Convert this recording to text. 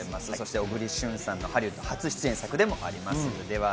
小栗旬さんのハリウッド初出演作でもあります。